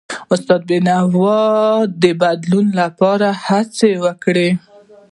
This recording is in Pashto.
استاد بینوا د بدلون لپاره هڅې وکړي.